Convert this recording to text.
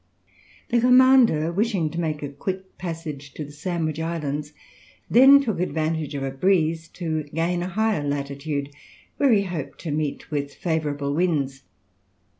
The commander, wishing to make a quick passage to the Sandwich Islands, then took advantage of a breeze to gain a higher latitude, where he hoped to meet with favourable winds.